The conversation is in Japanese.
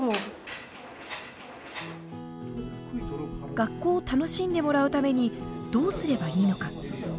学校を楽しんでもらうためにどうすればいいのか。